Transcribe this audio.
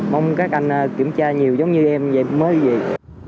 mong các anh kiểm tra nhiều giống như em về mới vậy